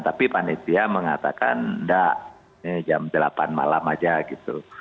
tapi panitia mengatakan enggak jam delapan malam saja gitu